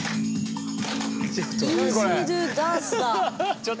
ちょっと。